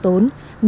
nếu so với những